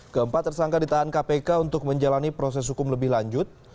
keempat tersangka ditahan kpk untuk menjalani proses hukum lebih lanjut